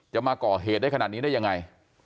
มาก่อเหตุได้ขนาดนี้ได้ยังไง